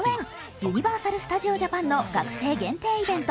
ユニバーサル・スタジオ・ジャパンの学生限定イベント